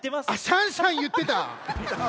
「シャンシャン」いってた。